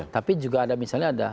tapi juga ada misalnya ada